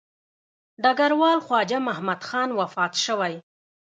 ډګروال خواجه محمد خان وفات شوی.